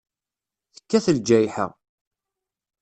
Tekkat lǧayḥa.